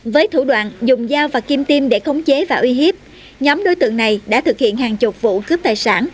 với thủ đoạn dùng dao và kim tim để khống chế và uy hiếp nhóm đối tượng này đã thực hiện hàng chục vụ cướp tài sản